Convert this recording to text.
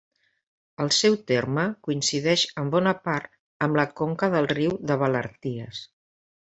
El seu terme coincideix en bona part amb la conca del riu de Valarties.